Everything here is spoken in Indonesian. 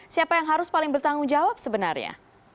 siapa yang harus paling bertanggung jawab sebenarnya